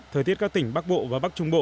thời tiết các tỉnh bắc bộ và bắc trung bộ